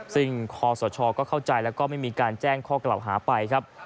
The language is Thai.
ซึ่งคอสชก็เข้าใจแล้วก็ไม่มีการแจ้งข้อกล่าวหาไปครับ